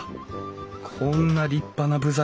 こんな立派な部材